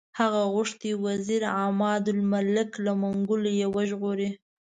هغه غوښتي وزیر عمادالملک له منګولو یې وژغوري.